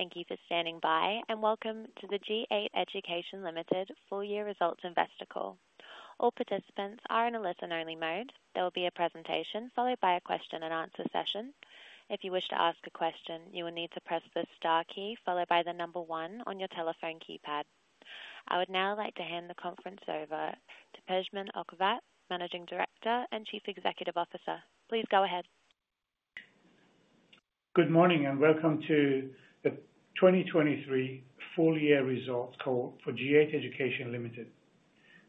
Thank you for standing by, and welcome to the G8 Education Limited full-year results investor call. All participants are in a listen-only mode. There will be a presentation followed by a Q&A session. If you wish to ask a question, you will need to press the star key followed by the number one on your telephone keypad. I would now like to hand the conference over to Pejman Okhovat, Managing Director and Chief Executive Officer. Please go ahead. Good morning and welcome to the 2023 full-year results call for G8 Education Limited.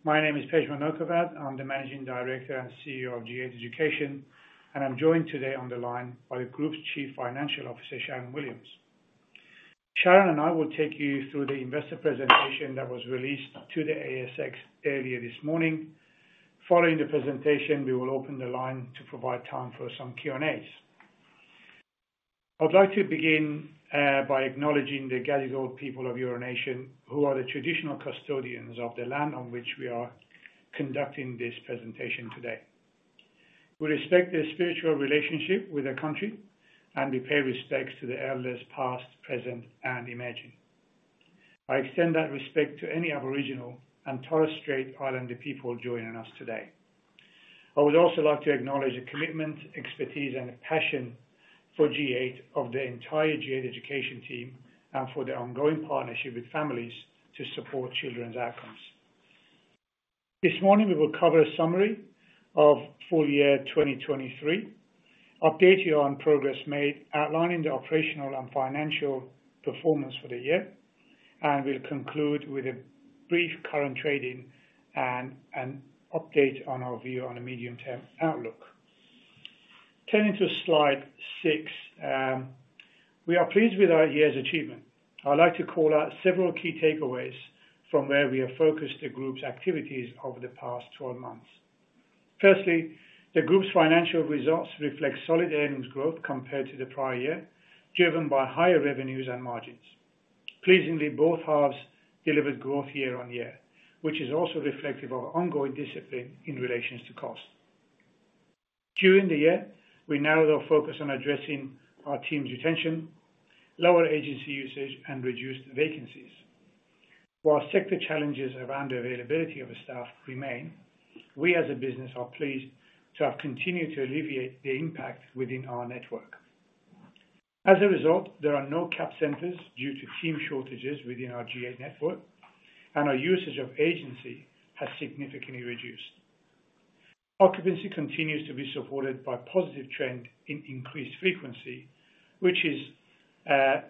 My name is Pejman Okhovat. I'm the Managing Director and CEO of G8 Education, and I'm joined today on the line by the Group's Chief Financial Officer, Sharyn Williams. Sharyn and I will take you through the investor presentation that was released to the ASX earlier this morning. Following the presentation, we will open the line to provide time for some Q&As. I'd like to begin by acknowledging the Gadigal people of Eora nation who are the traditional custodians of the land on which we are conducting this presentation today. We respect their spiritual relationship with the country and we pay respects to the elders past, present, and emerging. I extend that respect to any Aboriginal and Torres Strait Islander people joining us today. I would also like to acknowledge the commitment, expertise, and passion for G8 of the entire G8 Education team and for the ongoing partnership with families to support children's outcomes. This morning, we will cover a summary of full-year 2023, update you on progress made outlining the operational and financial performance for the year, and we'll conclude with a brief current trading and an update on our view on a medium-term outlook. Turning to slide six, we are pleased with our year's achievement. I'd like to call out several key takeaways from where we have focused the group's activities over the past 12 months. Firstly, the group's financial results reflect solid earnings growth compared to the prior year, driven by higher revenues and margins. Pleasingly, both halves delivered growth year-on-year, which is also reflective of ongoing discipline in relation to costs. During the year, we narrowed our focus on addressing our team's retention, lower agency usage, and reduced vacancies. While sector challenges around the availability of staff remain, we as a business are pleased to have continued to alleviate the impact within our network. As a result, there are no cap centers due to team shortages within our G8 network, and our usage of agency has significantly reduced. Occupancy continues to be supported by a positive trend in increased frequency, which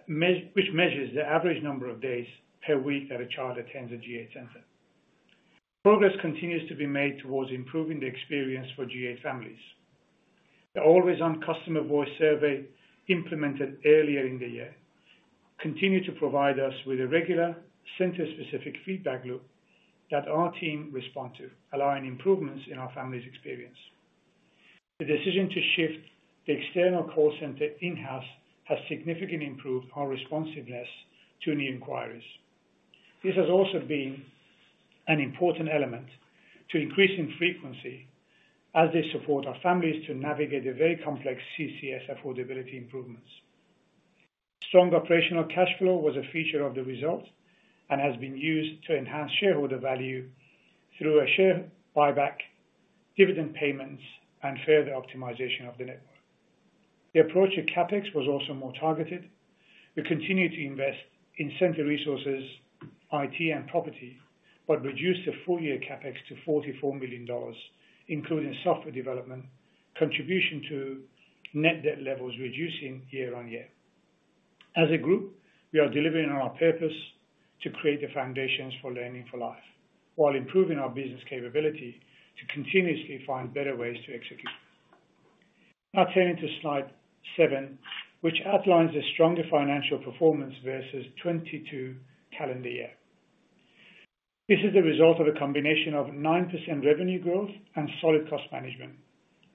measures the average number of days per week that a child attends a G8 center. Progress continues to be made towards improving the experience for G8 families. The always-on customer voice survey implemented earlier in the year continued to provide us with a regular, center-specific feedback loop that our team respond to, allowing improvements in our families' experience. The decision to shift the external call center in-house has significantly improved our responsiveness to new inquiries. This has also been an important element to increasing frequency as they support our families to navigate the very complex CCS affordability improvements. Strong operational cash flow was a feature of the results and has been used to enhance shareholder value through share buyback, dividend payments, and further optimization of the network. The approach to CapEx was also more targeted. We continue to invest in center resources, IT, and property, but reduced the full-year CapEx to 44 million dollars, including software development, contribution to net debt levels reducing year-on-year. As a group, we are delivering on our purpose to create the foundations for learning for life while improving our business capability to continuously find better ways to execute. Now turning to slide seven, which outlines the stronger financial performance versus 2022 calendar year. This is the result of a combination of 9% revenue growth and solid cost management,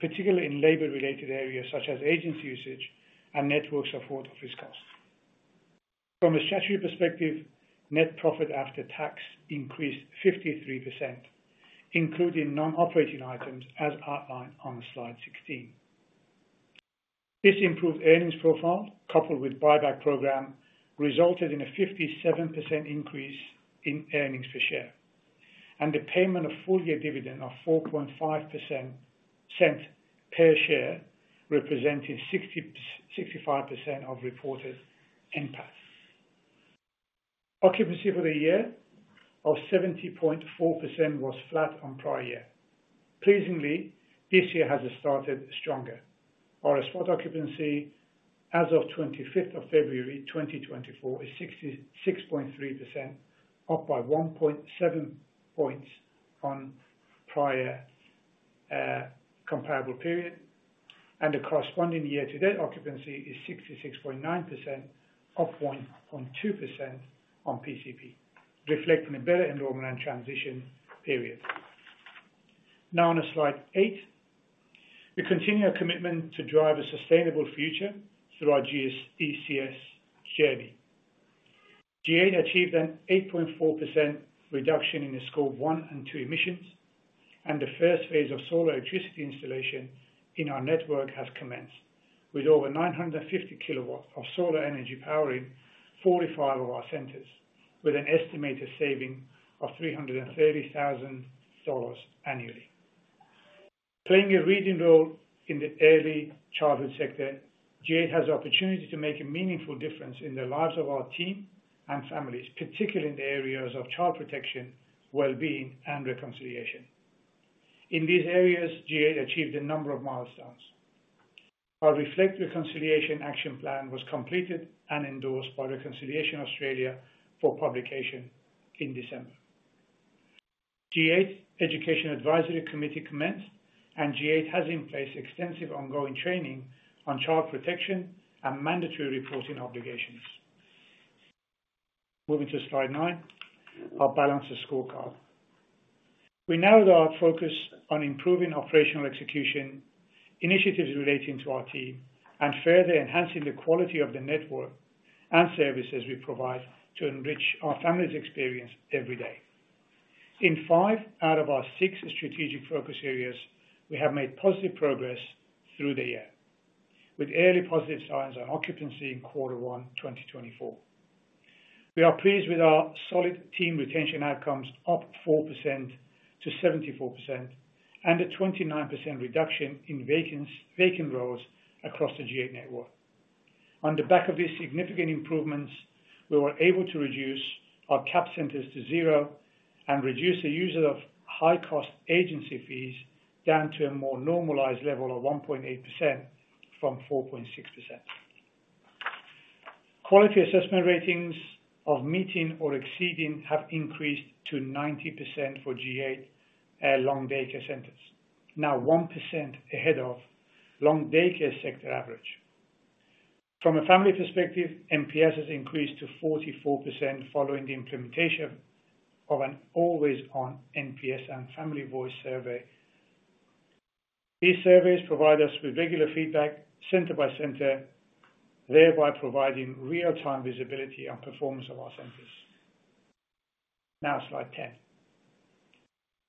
particularly in labor-related areas such as agency usage and network support office costs. From a statutory perspective, net profit after tax increased 53%, including non-operating items as outlined on slide 16. This improved earnings profile, coupled with buyback program, resulted in a 57% increase in earnings per share, and the payment of full-year dividend of 4.5% per share, representing 65% of reported NPAT. Occupancy for the year of 70.4% was flat on prior year. Pleasingly, this year has started stronger. Our spot occupancy as of 25 February 2024 is 6.3%, up by 1.7 points on prior comparable period, and the corresponding year-to-date occupancy is 66.9%, up 1.2% on PCP, reflecting a better enrollment and transition period. Now on slide eight, we continue our commitment to drive a sustainable future through our GECS journey. G8 achieved an 8.4% reduction in the Scope one and two emissions, and the first phase of solar electricity installation in our network has commenced, with over 950 kilowatts of solar energy powering 45 of our centers, with an estimated saving of 330,000 dollars annually. Playing a leading role in the early childhood sector, G8 has the opportunity to make a meaningful difference in the lives of our team and families, particularly in the areas of child protection, well-being, and reconciliation. In these areas, G8 achieved a number of milestones. Our Reflect Reconciliation Action Plan was completed and endorsed by Reconciliation Australia for publication in December. G8 Education Advisory Committee commenced, and G8 has in place extensive ongoing training on child protection and mandatory reporting obligations. Moving to slide 9, our balanced scorecard. We narrowed our focus on improving operational execution, initiatives relating to our team, and further enhancing the quality of the network and services we provide to enrich our families' experience every day. In five out of our six strategic focus areas, we have made positive progress through the year, with early positive signs on occupancy in Q1, 2024. We are pleased with our solid team retention outcomes, up 4% to 74%, and a 29% reduction in vacant roles across the G8 network. On the back of these significant improvements, we were able to reduce our cap centers to zero and reduce the use of high-cost agency fees down to a more normalized level of 1.8% from 4.6%. Quality assessment ratings of meeting or exceeding have increased to 90% for G8 long daycare centers, now 1% ahead of long daycare sector average. From a family perspective, NPS has increased to 44% following the implementation of an always-on NPS and family voice survey. These surveys provide us with regular feedback center by center, thereby providing real-time visibility on performance of our centers. Now slide 10.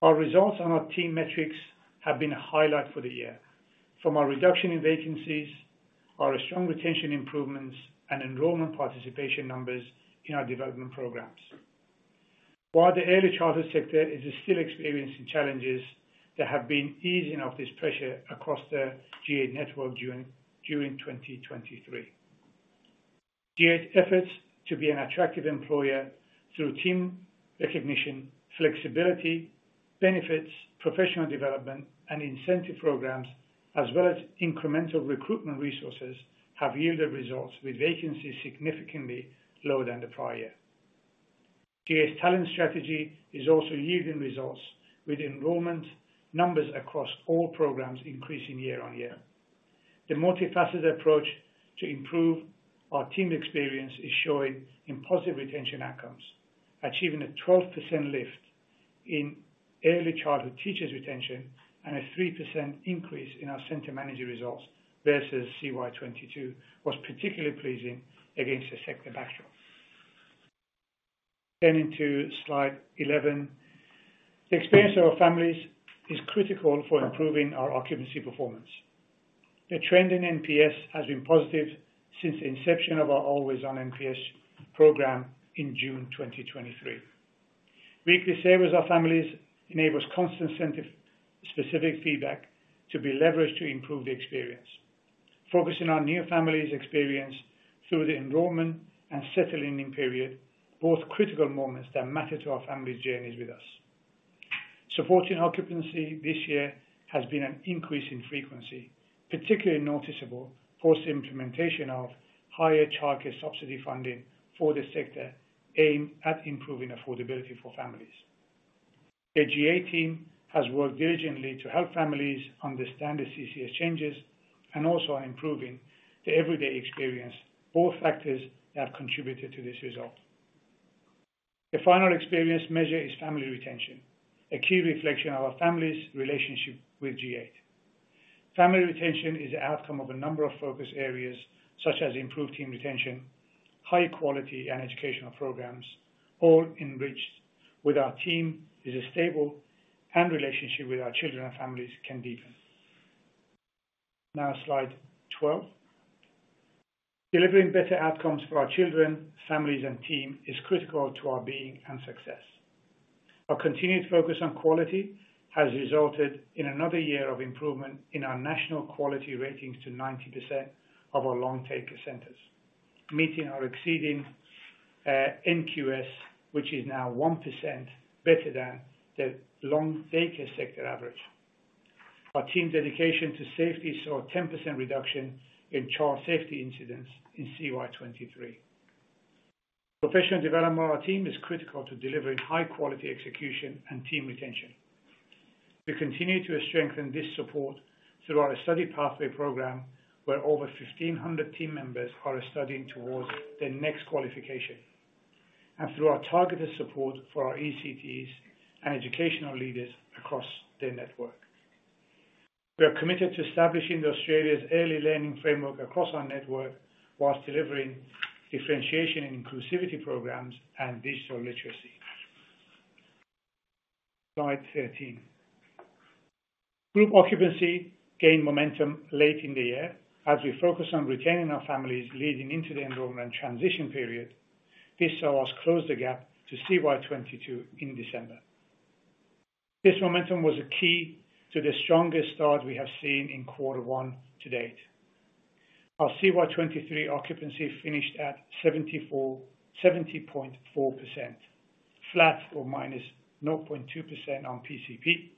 Our results on our team metrics have been a highlight for the year, from our reduction in vacancies, our strong retention improvements, and enrollment participation numbers in our development programs. While the early childhood sector is still experiencing challenges, there have been easing of this pressure across the G8 network during 2023. G8's efforts to be an attractive employer through team recognition, flexibility, benefits, professional development, and incentive programs, as well as incremental recruitment resources, have yielded results with vacancies significantly lower than the prior year. G8's talent strategy is also yielding results, with enrollment numbers across all programs increasing year on year. The multifaceted approach to improve our team experience is showing in positive retention outcomes. Achieving a 12% lift in early childhood teachers' retention and a 3% increase in our center manager results versus CY22 was particularly pleasing against the sector backdrop. Turning to slide 11. The experience of our families is critical for improving our occupancy performance. The trend in NPS has been positive since the inception of our always-on NPS program in June 2023. Weekly surveys of families enable constant incentive-specific feedback to be leveraged to improve the experience, focusing on new families' experience through the enrollment and settling-in period, both critical moments that matter to our families' journeys with us. Supporting occupancy this year has been an increase in frequency, particularly noticeable post-implementation of higher childcare subsidy funding for the sector aimed at improving affordability for families. The G8 team has worked diligently to help families understand the CCS changes and also on improving the everyday experience, both factors that have contributed to this result. The final experience measure is family retention, a key reflection of our families' relationship with G8. Family retention is an outcome of a number of focus areas such as improved team retention, high-quality and educational programs, all enriched where our team is stable and relationship with our children and families can deepen. Now slide 12. Delivering better outcomes for our children, families, and team is critical to our being and success. Our continued focus on quality has resulted in another year of improvement in our national quality ratings to 90% of our long daycare centers, meeting or exceeding NQS, which is now 1% better than the long daycare sector average. Our team's dedication to safety saw a 10% reduction in child safety incidents in CY 2023. Professional development of our team is critical to delivering high-quality execution and team retention. We continue to strengthen this support through our Study Pathway program, where over 1,500 team members are studying towards their next qualification, and through our targeted support for our ECTs and educational leaders across their network. We are committed to establishing Australia's early learning framework across our network while delivering differentiation and inclusivity programs and digital literacy. Slide 13. Group occupancy gained momentum late in the year as we focused on retaining our families leading into the enrollment and transition period. This saw us close the gap to CY 2022 in December. This momentum was a key to the strongest start we have seen in Q1 to date. Our CY 2023 occupancy finished at 70.4%, flat or minus 0.2% on PCP,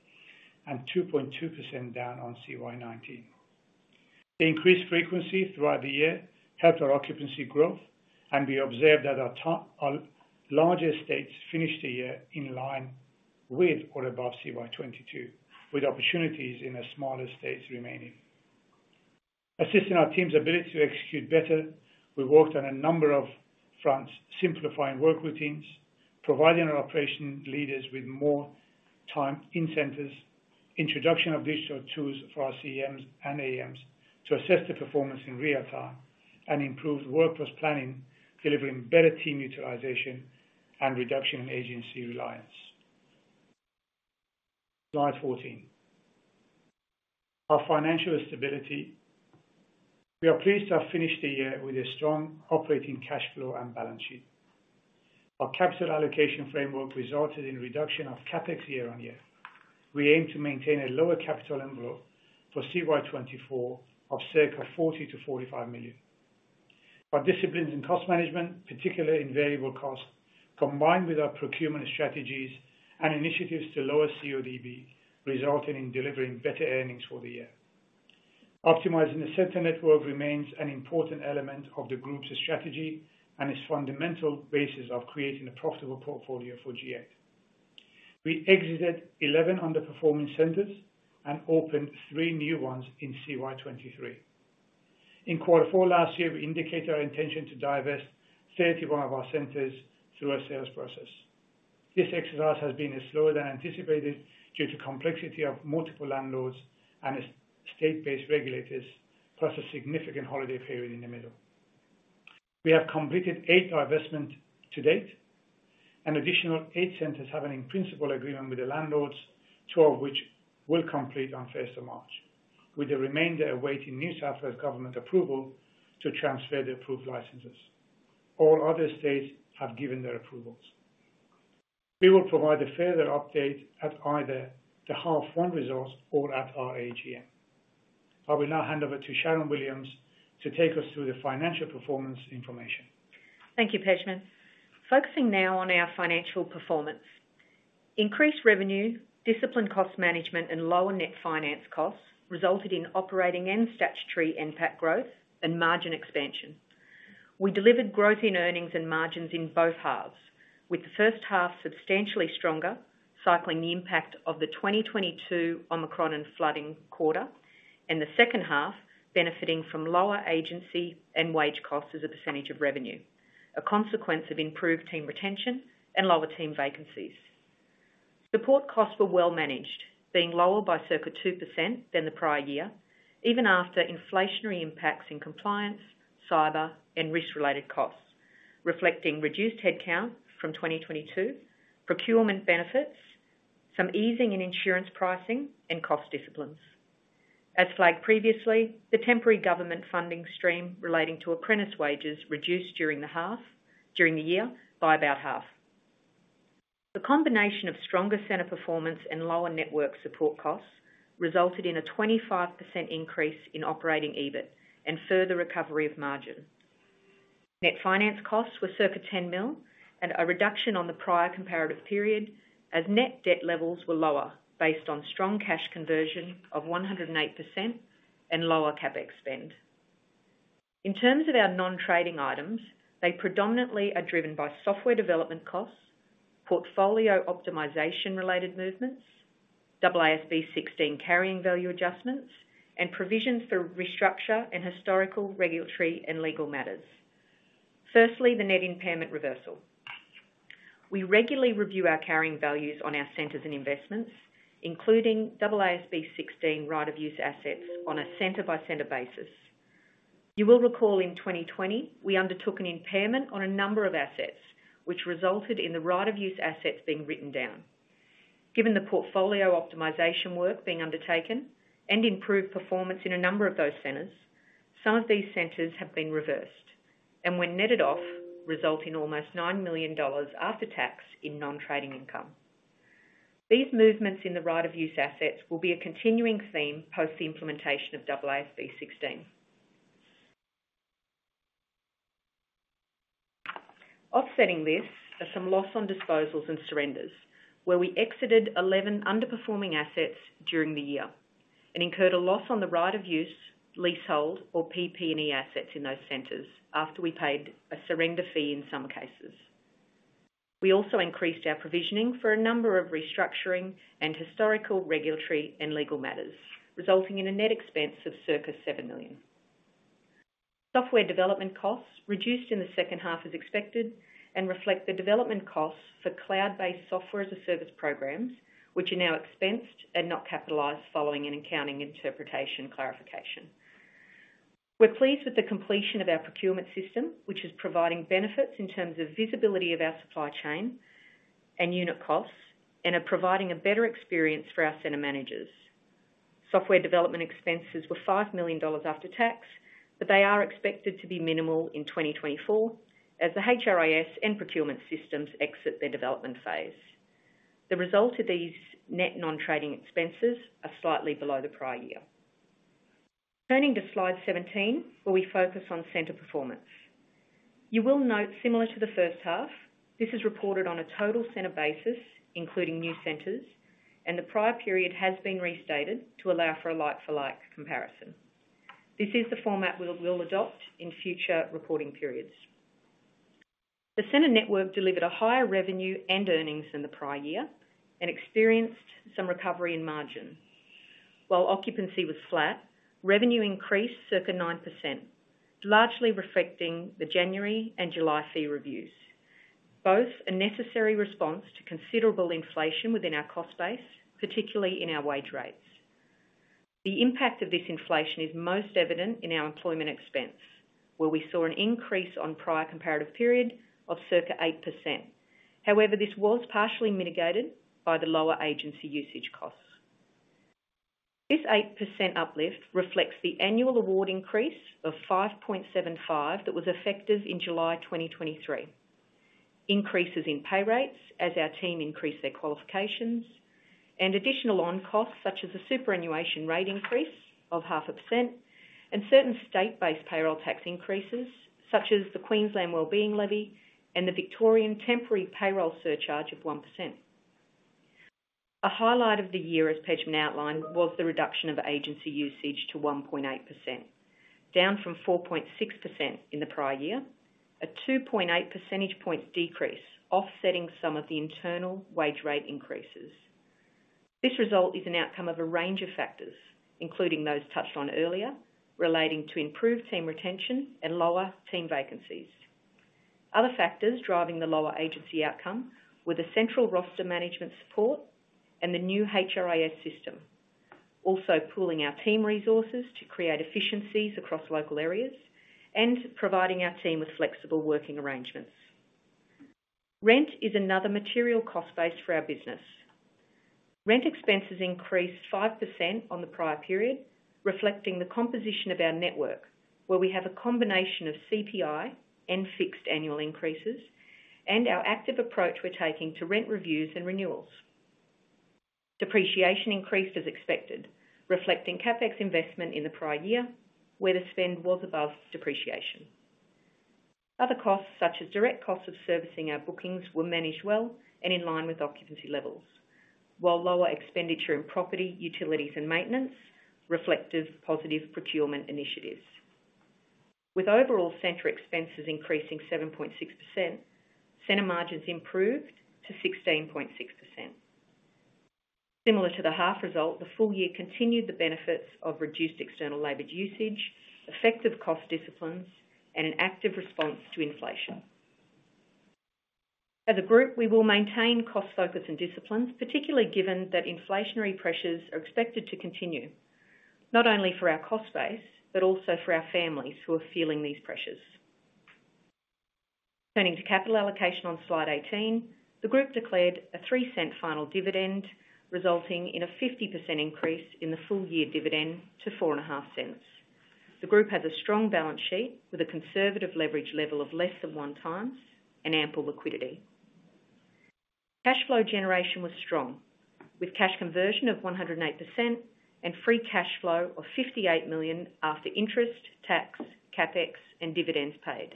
and 2.2% down on CY 2019. The increased frequency throughout the year helped our occupancy growth, and we observed that our largest states finished the year in line with or above CY 2022, with opportunities in the smaller states remaining. Assisting our team's ability to execute better, we worked on a number of fronts, simplifying work routines, providing our operation leaders with more time in centers, introduction of digital tools for our CMs and AMs to assess the performance in real time, and improved workforce planning, delivering better team utilization and reduction in agency reliance. Slide 14. Our financial stability. We are pleased to have finished the year with a strong operating cash flow and balance sheet. Our capital allocation framework resulted in reduction of CapEx year-on-year. We aim to maintain a lower capital envelope for CY 2024 of circa 40 million to 45 million. Our disciplines in cost management, particularly in variable costs, combined with our procurement strategies and initiatives to lower CODB, resulted in delivering better earnings for the year. Optimizing the center network remains an important element of the group's strategy and is a fundamental basis of creating a profitable portfolio for G8. We exited 11 underperforming centers and opened three new ones in CY 2023. In Q4 last year, we indicated our intention to divest 31 of our centers through a sales process. This exercise has been slower than anticipated due to the complexity of multiple landlords and state-based regulators, plus a significant holiday period in the middle. We have completed 8 divestments to date, and additional 8 centers have an in-principle agreement with the landlords, 12 of which will complete on 1st of March, with the remainder awaiting New South Wales government approval to transfer the approved licenses. All other states have given their approvals. We will provide a further update at either the half-year results or at our AGM. I will now hand over to Sharyn Williams to take us through the financial performance information. Thank you, Pejman. Focusing now on our financial performance. Increased revenue, disciplined cost management, and lower net finance costs resulted in operating and statutory NPAT growth and margin expansion. We delivered growth in earnings and margins in both halves, with the first half substantially stronger, cycling the impact of the 2022 Omicron and flooding quarter, and the second half benefiting from lower agency and wage costs as a percentage of revenue, a consequence of improved team retention and lower team vacancies. Support costs were well managed, being lower by circa 2% than the prior year, even after inflationary impacts in compliance, cyber, and risk-related costs, reflecting reduced headcount from 2022, procurement benefits, some easing in insurance pricing, and cost disciplines. As flagged previously, the temporary government funding stream relating to apprentice wages reduced during the half during the year by about half. The combination of stronger center performance and lower network support costs resulted in a 25% increase in operating EBIT and further recovery of margin. Net finance costs were circa 10 million and a reduction on the prior comparative period as net debt levels were lower based on strong cash conversion of 108% and lower CapEx spend. In terms of our non-trading items, they predominantly are driven by software development costs, portfolio optimization-related movements, AASB 16 carrying value adjustments, and provisions for restructure and historical, regulatory, and legal matters. Firstly, the net impairment reversal. We regularly review our carrying values on our centers and investments, including AASB 16 right-of-use assets on a center-by-center basis. You will recall in 2020, we undertook an impairment on a number of assets, which resulted in the right-of-use assets being written down. Given the portfolio optimisation work being undertaken and improved performance in a number of those centres, some of these centres have been reversed and were netted off, resulting in almost 9 million dollars after tax in non-trading income. These movements in the right of use assets will be a continuing theme post the implementation of AASB 16. Offsetting this are some loss on disposals and surrenders, where we exited 11 underperforming assets during the year and incurred a loss on the right of use, leasehold, or PP&E assets in those centres after we paid a surrender fee in some cases. We also increased our provisioning for a number of restructuring and historical, regulatory, and legal matters, resulting in a net expense of circa 7 million. Software development costs reduced in the second half as expected and reflect the development costs for cloud-based software as a service programs, which are now expensed and not capitalized following an accounting interpretation clarification. We're pleased with the completion of our procurement system, which is providing benefits in terms of visibility of our supply chain and unit costs and are providing a better experience for our center managers. Software development expenses were 5 million dollars after tax, but they are expected to be minimal in 2024 as the HRIS and procurement systems exit their development phase. The result of these net non-trading expenses is slightly below the prior year. Turning to slide 17, where we focus on center performance. You will note, similar to the first half, this is reported on a total center basis, including new centers, and the prior period has been restated to allow for a like-for-like comparison. This is the format we'll adopt in future reporting periods. The center network delivered a higher revenue and earnings than the prior year and experienced some recovery in margin. While occupancy was flat, revenue increased circa 9%, largely reflecting the January and July fee reviews, both a necessary response to considerable inflation within our cost base, particularly in our wage rates. The impact of this inflation is most evident in our employment expense, where we saw an increase on the prior comparative period of circa 8%. However, this was partially mitigated by the lower agency usage costs. This 8% uplift reflects the annual award increase of 5.75 that was effective in July 2023, increases in pay rates as our team increased their qualifications, and additional on-costs such as a superannuation rate increase of 0.5%, and certain state-based payroll tax increases such as the Queensland Wellbeing Levy and the Victorian temporary payroll surcharge of 1%. A highlight of the year, as Pejman outlined, was the reduction of agency usage to 1.8%, down from 4.6% in the prior year, a 2.8 percentage point decrease offsetting some of the internal wage rate increases. This result is an outcome of a range of factors, including those touched on earlier, relating to improved team retention and lower team vacancies. Other factors driving the lower agency outcome were the central roster management support and the new HRIS system, also pooling our team resources to create efficiencies across local areas and providing our team with flexible working arrangements. Rent is another material cost base for our business. Rent expenses increased 5% on the prior period, reflecting the composition of our network, where we have a combination of CPI and fixed annual increases and our active approach we're taking to rent reviews and renewals. Depreciation increased as expected, reflecting CapEx investment in the prior year, where the spend was above depreciation. Other costs, such as direct costs of servicing our bookings, were managed well and in line with occupancy levels, while lower expenditure in property, utilities, and maintenance reflected positive procurement initiatives. With overall center expenses increasing 7.6%, center margins improved to 16.6%. Similar to the half result, the full year continued the benefits of reduced external labor usage, effective cost disciplines, and an active response to inflation. As a group, we will maintain cost focus and disciplines, particularly given that inflationary pressures are expected to continue, not only for our cost base but also for our families who are feeling these pressures. Turning to capital allocation on slide 18, the group declared a 0.03 final dividend, resulting in a 50% increase in the full year dividend to 0.045. The group has a strong balance sheet with a conservative leverage level of less than 1x and ample liquidity. Cash flow generation was strong, with cash conversion of 108% and free cash flow of 58 million after interest, tax, CapEx, and dividends paid.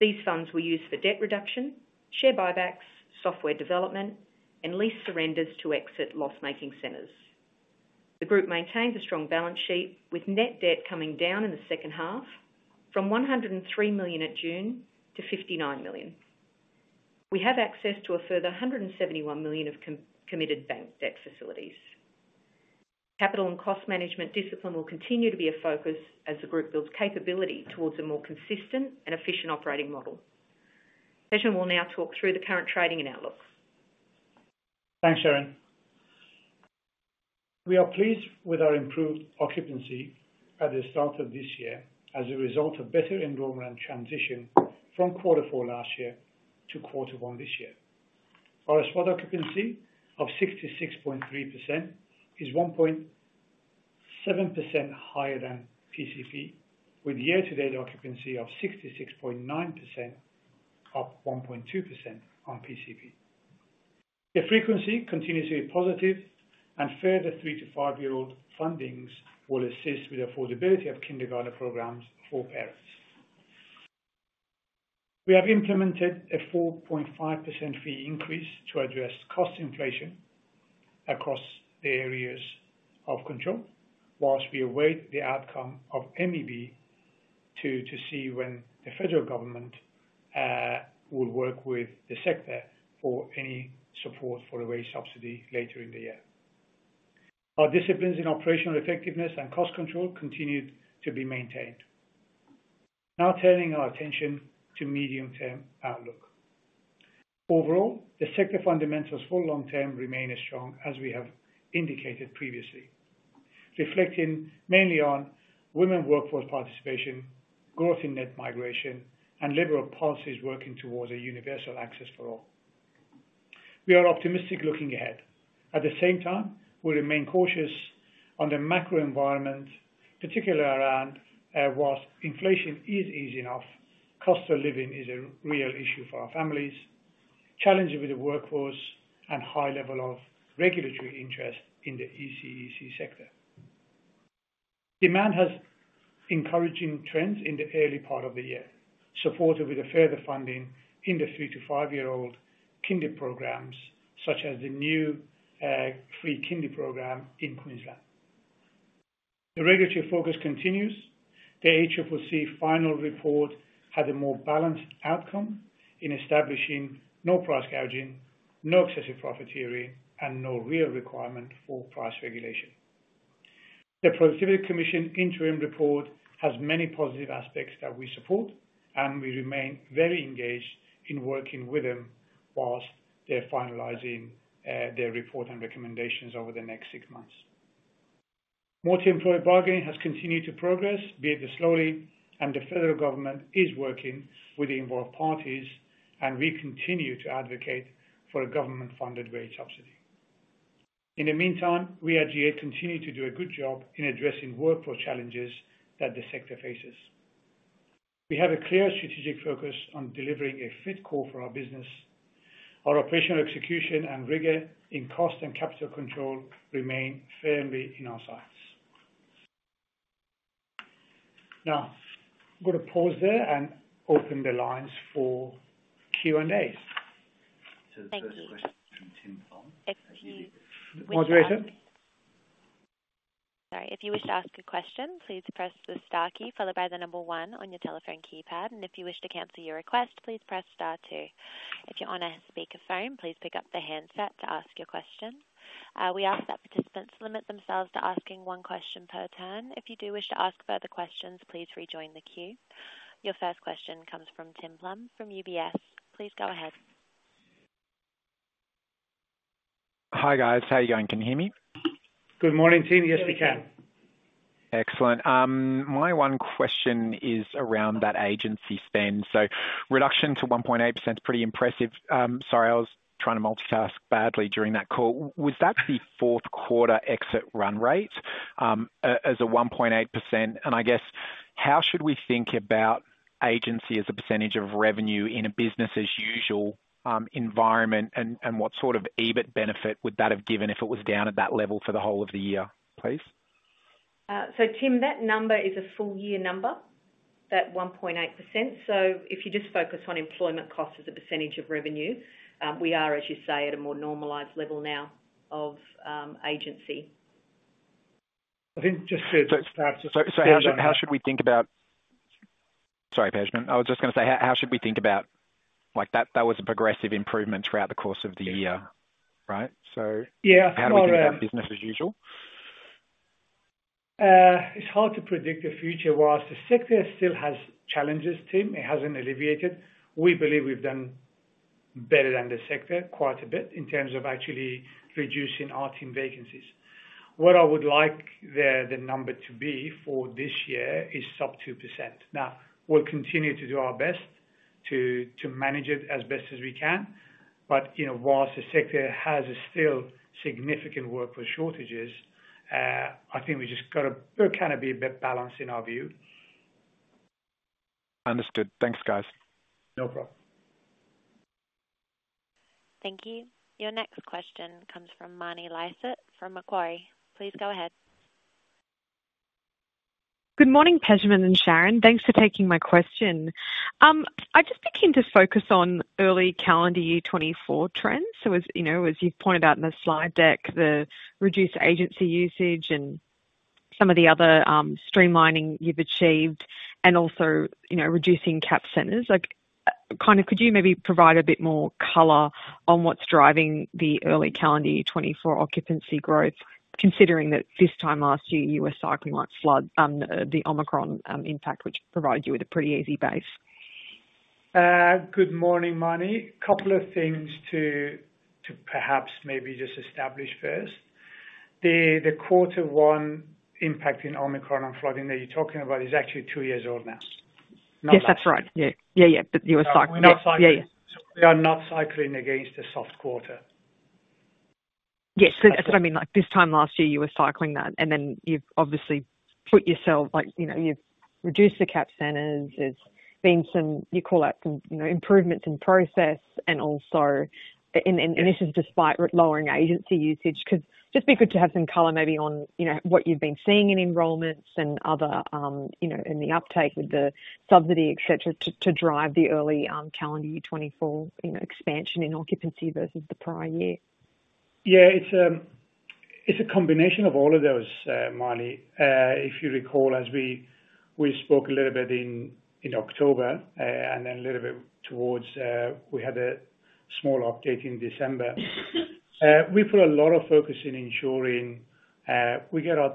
These funds were used for debt reduction, share buybacks, software development, and leased surrenders to exit loss-making centers. The group maintains a strong balance sheet, with net debt coming down in the second half from 103 million at June to 59 million. We have access to a further 171 million of committed bank debt facilities. Capital and cost management discipline will continue to be a focus as the group builds capability towards a more consistent and efficient operating model. Pejman will now talk through the current trading and outlook. Thanks, Sharyn. We are pleased with our improved occupancy at the start of this year as a result of better enrollment and transition from Q4 last year to Q1 this year. Our spot occupancy of 66.3% is 1.7% higher than PCP, with year-to-date occupancy of 66.9%, up 1.2% on PCP. The frequency continues to be positive, and further three to five-year-old fundings will assist with the affordability of kindergarten programs for parents. We have implemented a 4.5% fee increase to address cost inflation across the areas of control, while we await the outcome of MEB to see when the federal government will work with the sector for any support for a wage subsidy later in the year. Our disciplines in operational effectiveness and cost control continue to be maintained. Now turning our attention to the medium-term outlook. Overall, the sector fundamentals for long-term remain as strong as we have indicated previously, reflecting mainly on women workforce participation, growth in net migration, and liberal policies working towards a universal access for all. We are optimistic looking ahead. At the same time, we remain cautious on the macro environment, particularly while inflation is easy enough, cost of living is a real issue for our families, challenges with the workforce, and a high level of regulatory interest in the ECEC sector. Demand has encouraging trends in the early part of the year, supported with further funding in the three to five year-old kindergarten programs such as the new free kindergarten program in Queensland. The regulatory focus continues. The ACCC final report had a more balanced outcome in establishing no price gouging, no excessive profiteering, and no real requirement for price regulation. The Productivity Commission interim report has many positive aspects that we support, and we remain very engaged in working with them whilst they're finalising their report and recommendations over the next six months. Multi-employer bargaining has continued to progress, be it slowly, and the federal government is working with the involved parties, and we continue to advocate for a government-funded wage subsidy. In the meantime, we at G8 continue to do a good job in addressing workforce challenges that the sector faces. We have a clear strategic focus on delivering a fit call for our business. Our operational execution and rigor in cost and capital control remain firmly in our sights. Now, I'm going to pause there and open the lines for Q&As. So there's a question from Tim Plumbe. Moderator? Sorry. If you wish to ask a question, please press the star key followed by the number one on your telephone keypad. And if you wish to cancel your request, please press star two. If you're on a speakerphone, please pick up the handset to ask your question. We ask that participants limit themselves to asking one question per turn. If you do wish to ask further questions, please rejoin the queue. Your first question comes from Tim Plumbe from UBS. Please go ahead. Hi, guys. How are you going? Can you hear me? Good morning, Tim. Yes, we can. Excellent. My one question is around that agency spend. So reduction to 1.8% is pretty impressive. Sorry, I was trying to multitask badly during that call. Was that the fourth quarter exit run rate as a 1.8%? And I guess, how should we think about agency as a percentage of revenue in a business-as-usual environment, and what sort of EBIT benefit would that have given if it was down at that level for the whole of the year? Please. So, Tim, that number is a full-year number, that 1.8%. So if you just focus on employment costs as a percentage of revenue, we are, as you say, at a more normalized level now of agency. I think just to start, just to clarify. So how should we think about sorry, Pejman. I was just going to say, how should we think about that was a progressive improvement throughout the course of the year, right? So how do we think about business-as-usual? It's hard to predict the future while the sector still has challenges, Tim. It hasn't alleviated. We believe we've done better than the sector quite a bit in terms of actually reducing our team vacancies. What I would like the number to be for this year is sub 2%. Now, we'll continue to do our best to manage it as best as we can. But while the sector has still significant workforce shortages, I think we just got to kind of be a bit balanced in our view. Understood. Thanks, guys. No problem. Thank you. Your next question comes from Manny Lysett from Macquarie. Please go ahead. Good morning, Pejman and Sharyn. Thanks for taking my question. I just became just focused on early calendar year 2024 trends. So as you've pointed out in the slide deck, the reduced agency usage and some of the other streamlining you've achieved, and also reducing capped centres. Kind of could you maybe provide a bit more color on what's driving the early calendar year 2024 occupancy growth, considering that this time last year you were cycling like flood, the Omicron impact, which provided you with a pretty easy base? Good morning, Manny. A couple of things to perhaps maybe just establish first. The Q1 impacting Omicron and flooding that you're talking about is actually two years old now, not last year. Yes, that's right. Yeah. Yeah, yeah. But you were cycling that. We are not cycling against the soft quarter. Yes. That's what I mean. This time last year you were cycling that, and then you've obviously put yourself you've reduced the capped centres. There's been some, you call that, improvements in process. And this is despite lowering agency usage. Because just be good to have some color maybe on what you've been seeing in enrollments and other in the uptake with the subsidy, etc., to drive the early calendar year 2024 expansion in occupancy versus the prior year. Yeah. It's a combination of all of those, Manny. If you recall, as we spoke a little bit in October and then a little bit towards we had a small update in December, we put a lot of focus in ensuring we get our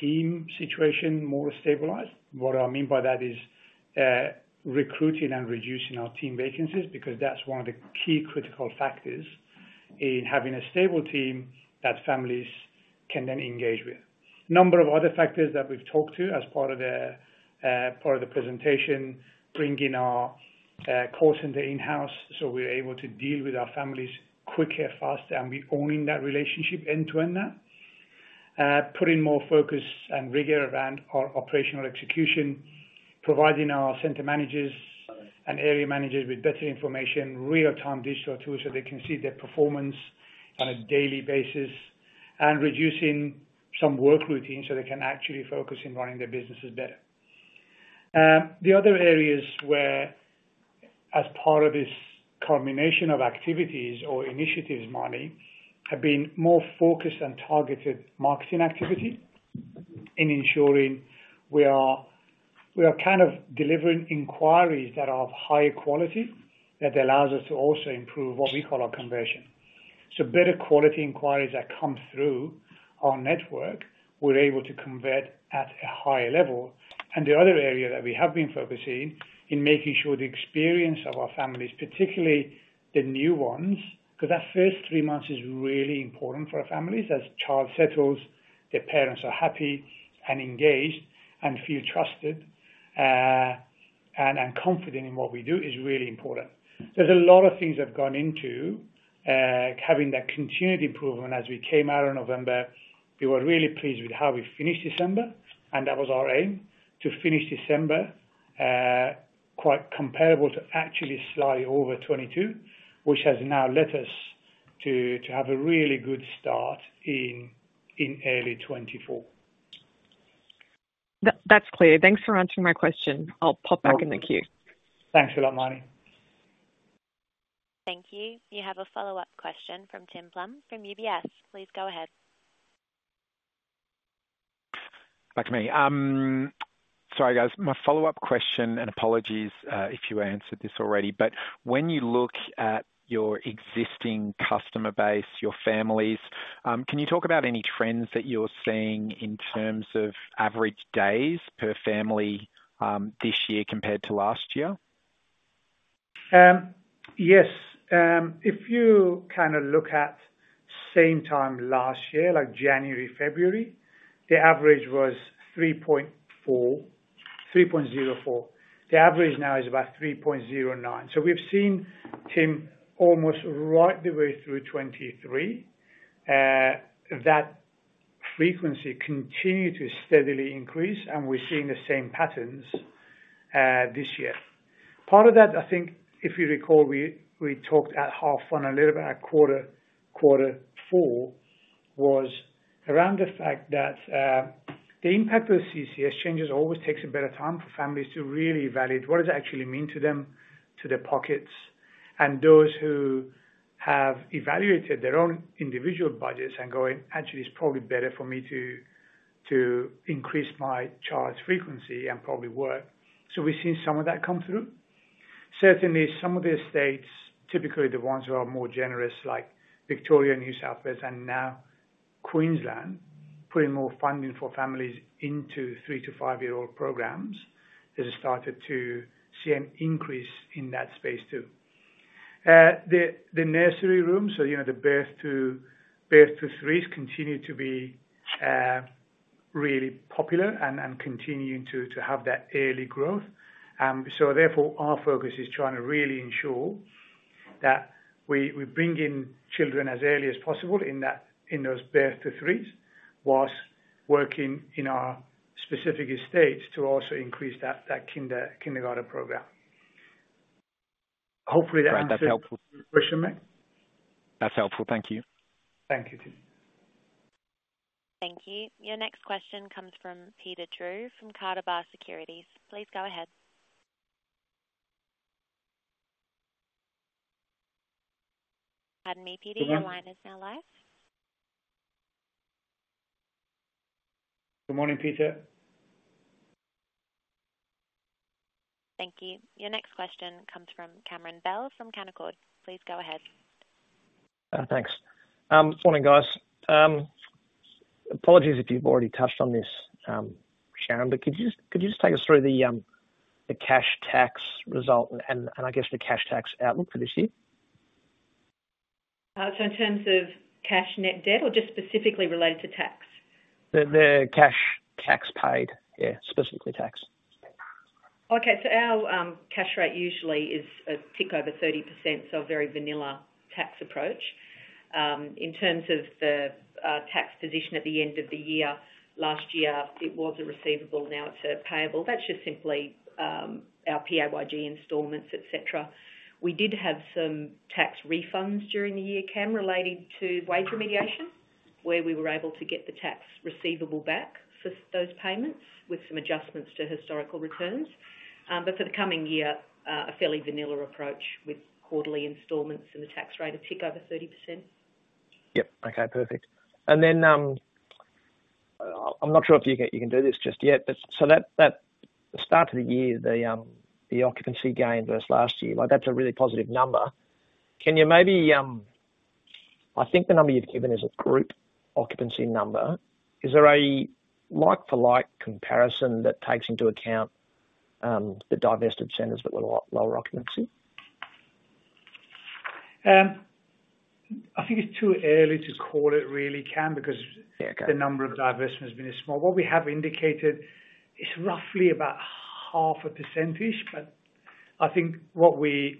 team situation more stabilized. What I mean by that is recruiting and reducing our team vacancies because that's one of the key critical factors in having a stable team that families can then engage with. A number of other factors that we've talked to as part of the presentation, bringing our call center in-house so we're able to deal with our families quicker, faster, and we're owning that relationship end-to-end now. Putting more focus and rigor around our operational execution, providing our center managers and area managers with better information, real-time digital tools so they can see their performance on a daily basis, and reducing some work routines so they can actually focus on running their businesses better. The other areas where, as part of this culmination of activities or initiatives, Manny, have been more focused and targeted marketing activity in ensuring we are kind of delivering inquiries that are of higher quality that allows us to also improve what we call our conversion. So better quality inquiries that come through our network, we're able to convert at a higher level. The other area that we have been focusing in making sure the experience of our families, particularly the new ones because that first three months is really important for our families. As child settles, their parents are happy and engaged and feel trusted and confident in what we do is really important. There's a lot of things that have gone into having that continued improvement. As we came out of November, we were really pleased with how we finished December, and that was our aim, to finish December quite comparable to actually slightly over 2022, which has now let us have a really good start in early 2024. That's clear. Thanks for answering my question. I'll pop back in the queue. Thanks a lot, Manny. Thank you. You have a follow-up question from Tim Plumbe from UBS. Please go ahead. Back to me. Sorry, guys. My follow-up question, and apologies if you answered this already, but when you look at your existing customer base, your families, can you talk about any trends that you're seeing in terms of average days per family this year compared to last year? Yes. If you kind of look at same time last year, like January, February, the average was 3.04. The average now is about 3.09. So we've seen, Tim, almost right the way through 2023, that frequency continue to steadily increase, and we're seeing the same patterns this year. Part of that, I think, if you recall, we talked at H1 a little bit at Q4, was around the fact that the impact of the CCS changes always takes a better time for families to really evaluate what does it actually mean to them, to their pockets, and those who have evaluated their own individual budgets and going, "Actually, it's probably better for me to increase my child's frequency and probably work." So we've seen some of that come through. Certainly, some of the states, typically the ones who are more generous, like Victoria, New South Wales, and now Queensland, putting more funding for families into three to five year-old programs, they've started to see an increase in that space too. The nursery rooms, so the birth-to-threes, continue to be really popular and continuing to have that early growth. So therefore, our focus is trying to really ensure that we bring in children as early as possible in those birth to threes whilst working in our specific estates to also increase that kindergarten programme. Hopefully, that answers the question I made. That's helpful. That's helpful. Thank you. Thank you, Tim. Thank you. Your next question comes from Peter Drew from Carter Bar Securities. Please go ahead. Pardon me, Peter. Your line is now live. Good morning, Peter. Thank you. Your next question comes from Cameron Bell from Canaccord. Please go ahead. Thanks. Morning, guys. Apologies if you've already touched on this, Sharyn, but could you just take us through the cash tax result and, I guess, the cash tax outlook for this year? So in terms of cash net debt or just specifically related to tax? The cash tax paid. Yeah, specifically tax. Okay. So our cash rate usually is a tick over 30%, so a very vanilla tax approach. In terms of the tax position at the end of the year, last year it was a receivable. Now it's a payable. That's just simply our PAYG installments, etc. We did have some tax refunds during the year, Cam, related to wage remediation, where we were able to get the tax receivable back for those payments with some adjustments to historical returns. But for the coming year, a fairly vanilla approach with quarterly installments and the tax rate a tick over 30%. Yep. Okay. Perfect. Then I'm not sure if you can do this just yet, but so at the start of the year, the occupancy gain versus last year, that's a really positive number. Can you maybe I think the number you've given is a group occupancy number. Is there a like-for-like comparison that takes into account the divested centres but with a lot lower occupancy? I think it's too early to call it really, Cam, because the number of divestments has been small. What we have indicated is roughly about half a percentage, but I think what we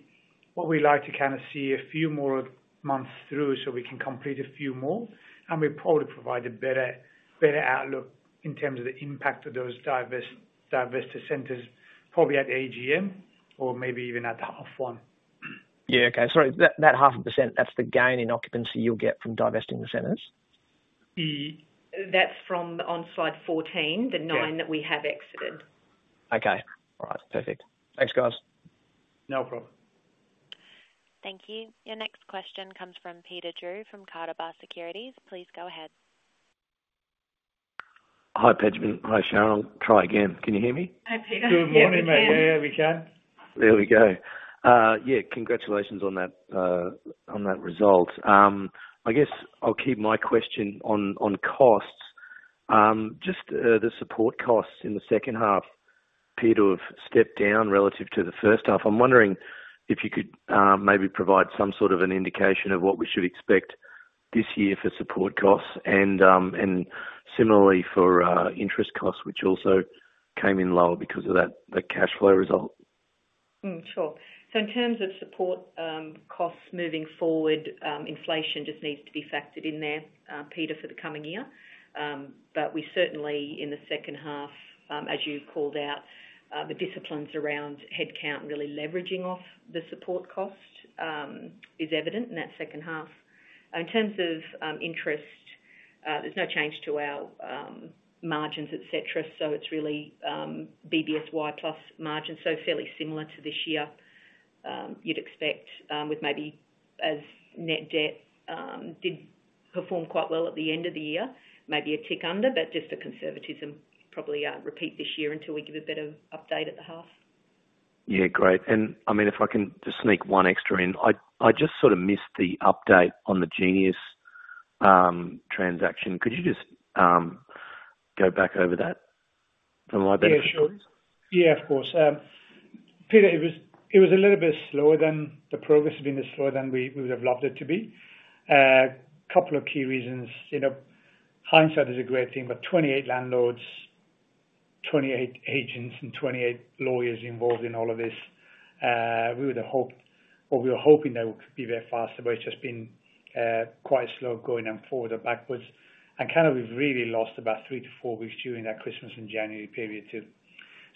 like to kind of see a few more months through so we can complete a few more, and we'll probably provide a better outlook in terms of the impact of those divested centres, probably at AGM or maybe even at the half one. Yeah. Okay. Sorry. That 0.5%, that's the gain in occupancy you'll get from divesting the centers? That's on slide 14, the 9 that we have exited. Okay. All right. Perfect. Thanks, guys. No problem. Thank you. Your next question comes from Peter Drew from Carter Bar Securities. Please go ahead. Hi, Pejman. Hi, Sharyn. I'll try again. Can you hear me? Hi, Peter. Good morning, mate. Yeah, yeah. We can. There we go. Yeah. Congratulations on that result. I guess I'll keep my question on costs. Just the support costs in the second half, Peter have stepped down relative to the first half. I'm wondering if you could maybe provide some sort of an indication of what we should expect this year for support costs and similarly for interest costs, which also came in lower because of the cash flow result. Sure. So in terms of support costs moving forward, inflation just needs to be factored in there, Peter, for the coming year. But we certainly, in the second half, as you called out, the disciplines around headcount really leveraging off the support cost is evident in that second half. In terms of interest, there's no change to our margins, etc. So it's really BBSY plus margins, so fairly similar to this year you'd expect with maybe as net debt did perform quite well at the end of the year, maybe a tick under, but just the conservatism probably repeat this year until we give a better update at the half. Yeah. Great. And I mean, if I can just sneak one extra in, I just sort of missed the update on the Genius transaction. Could you just go back over that for my benefit? Yeah. Sure. Yeah. Of course. Peter, it was a little bit slower than the progress had been slower than we would have loved it to be. A couple of key reasons. Hindsight is a great thing, but 28 landlords, 28 agents, and 28 lawyers involved in all of this, we would have hoped or we were hoping they would be there faster, but it's just been quite slow going on forward or backwards. And kind of we've really lost about three to four weeks during that Christmas and January period too.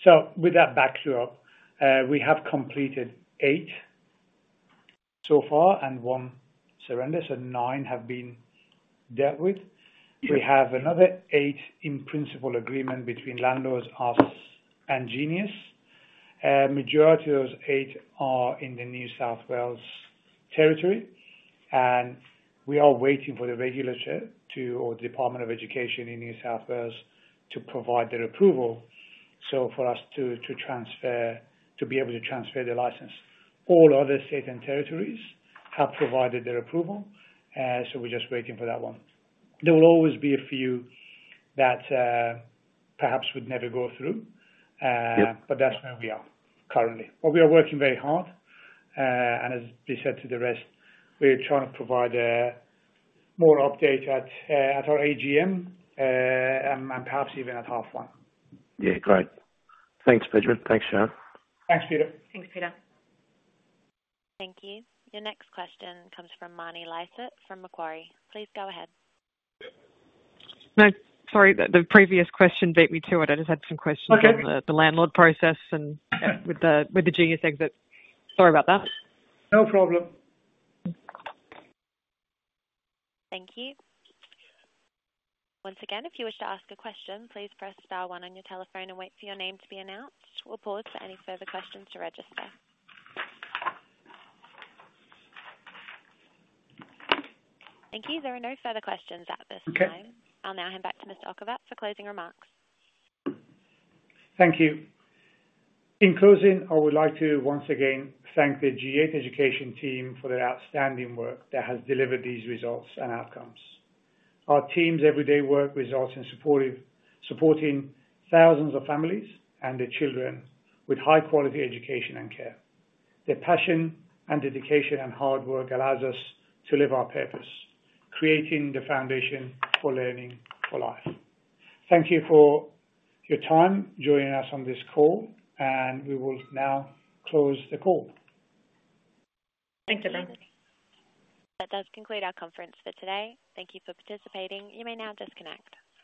So with that backdrop, we have completed eight so far and one surrender, so nine have been dealt with. We have another eight in principle agreement between landlords, us, and Genius. Majority of those eight are in the New South Wales territory, and we are waiting for the regulator or the Department of Education in New South Wales to provide their approval for us to be able to transfer the license. All other states and territories have provided their approval, so we're just waiting for that one. There will always be a few that perhaps would never go through, but that's where we are currently. We are working very hard. As we said to the rest, we're trying to provide more update at our AGM and perhaps even at half one. Yeah. Great. Thanks, Pejman. Thanks, Sharyn. Thanks, Peter. Thanks, Peter. Thank you. Your next question comes from Manny Lysett from Macquarie. Please go ahead. Sorry. The previous question beat me to it. I just had some questions about the landlord process and with the Genius exit. Sorry about that. No problem. Thank you. Once again, if you wish to ask a question, please press star one on your telephone and wait for your name to be announced. We'll pause for any further questions to register. Thank you. There are no further questions at this time. I'll now hand back to Mr. Okhovat for closing remarks. Thank you. In closing, I would like to once again thank the G8 Education Team for their outstanding work that has delivered these results and outcomes. Our team's everyday work results in supporting thousands of families and their children with high-quality education and care. Their passion and dedication and hard work allows us to live our purpose, creating the foundation for learning for life. Thank you for your time joining us on this call, and we will now close the call. Thank you, everyone. That does conclude our conference for today. Thank you for participating. You may now disconnect.